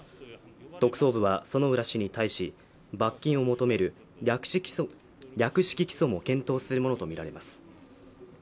特捜部は薗浦氏に対し罰金を求める略式起訴も検討するものと見られます